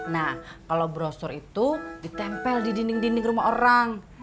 nah kalau brosur itu ditempel di dinding dinding rumah orang